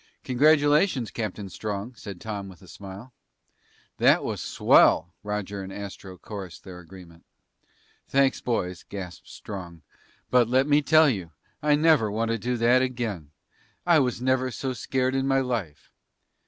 "Congratulations, Captain Strong," said Tom with a smile. "That was swell!" Roger and Astro chorused their agreement. "Thanks, boys," gasped Strong. "But let me tell you, I never want to do that again. I was never so scared in my life!"